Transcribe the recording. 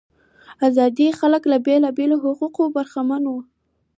آزاد خلک له بیلابیلو حقوقو برخمن وو.